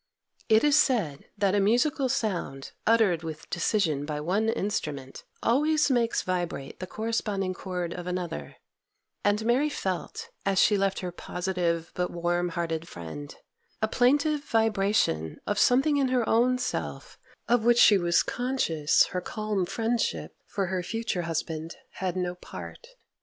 It is said that a musical sound, uttered with decision by one instrument, always makes vibrate the corresponding chord of another, and Mary felt, as she left her positive but warm hearted friend, a plaintive vibration of something in her own self of which she was conscious her calm friendship for her future husband had no part.